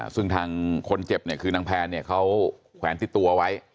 ซึ่งทางคนเจ็บเนี่ยคือนางแพนเนี่ยเขาแขวนติดตัวไว้